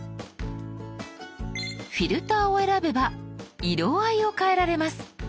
「フィルター」を選べば色合いを変えられます。